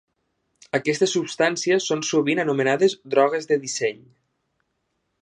Aquestes substàncies són sovint anomenades drogues de disseny.